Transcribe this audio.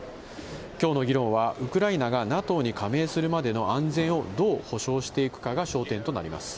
きょうの議論は、ウクライナがＮＡＴＯに加盟するまでの安全をどう保証していくかが焦点となります。